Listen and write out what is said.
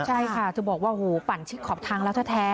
ใช่ค่ะเธอบอกว่าโหปั่นชิดขอบทางแล้วแท้